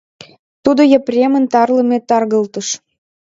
— Тудо Епремын тарлыме таргылтыш.